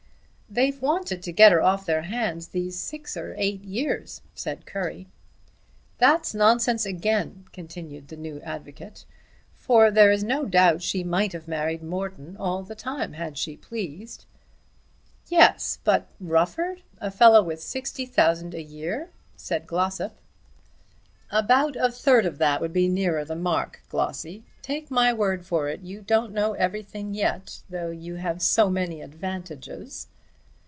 "They've wanted to get her off their hands these six or eight years," said Currie. "That's nonsense again," continued the new advocate, "for there is no doubt she might have married Morton all the time had she pleased." "Yes; but Rufford! a fellow with sixty thousand a year!" said Glossop. "About a third of that would be nearer the mark, Glossy. Take my word for it, you don't know everything yet, though you have so many advantages."